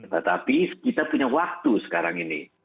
tetapi kita punya waktu sekarang ini